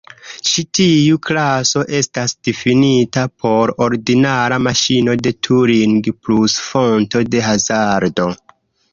Ĉi tiu klaso estas difinita por ordinara maŝino de Turing plus fonto de hazardo.